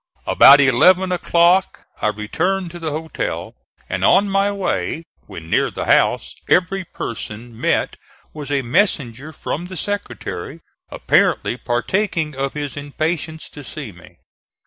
About eleven o'clock I returned to the hotel, and on my way, when near the house, every person met was a messenger from the Secretary, apparently partaking of his impatience to see me.